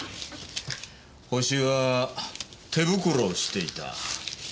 ホシは手袋をしていた。